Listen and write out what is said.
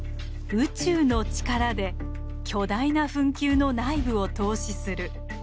宇宙の力で巨大な墳丘の内部を透視する。